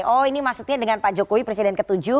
oh ini maksudnya dengan pak jokowi presiden ke tujuh